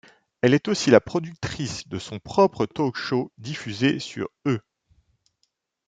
Elle est aussi la productrice de son propre talk-show diffusé sur E!.